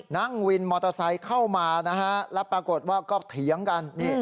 นั่งวินมอเตอร์ไซค์เข้ามานะฮะแล้วปรากฏว่าก็เถียงกัน